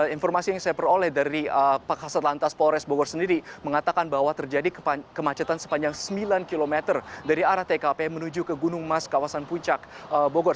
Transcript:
informasi yang saya peroleh dari pak kasat lantas polres bogor sendiri mengatakan bahwa terjadi kemacetan sepanjang sembilan km dari arah tkp menuju ke gunung mas kawasan puncak bogor